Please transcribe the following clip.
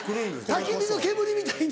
たき火の煙みたいに。